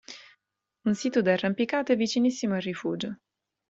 Un sito d'arrampicata è vicinissimo al rifugio.